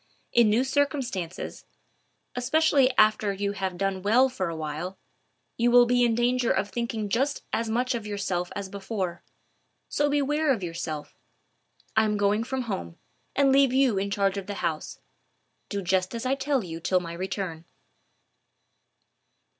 In new circumstances, especially after you have done well for a while, you will be in danger of thinking just as much of yourself as before. So beware of yourself. I am going from home, and leave you in charge of the house. Do just as I tell you till my return."